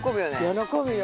喜ぶよ。